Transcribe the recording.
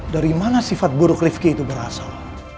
dari mana sifat buruk rifki itu berasal